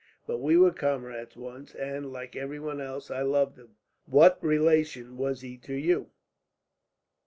But we were comrades once and, like everyone else, I loved him. What relation was he to you?"